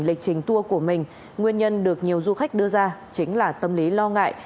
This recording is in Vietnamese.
lịch trình tour của mình nguyên nhân được nhiều du khách đưa ra chính là tâm lý lo ngại